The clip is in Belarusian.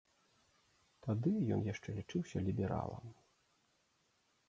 Тады ён яшчэ лічыўся лібералам.